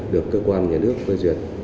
được cơ quan nhà nước phê duyệt